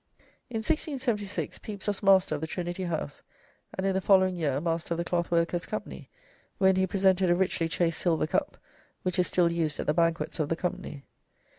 In 1676 Pepys was Master of the Trinity House, and in the following year Master of the Clothworkers' Company, when he presented a richly chased silver cup, which is still used at the banquets of the company.